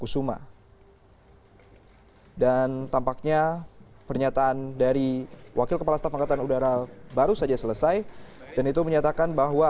sudah setiap saat hampir setiap hari kita tekankan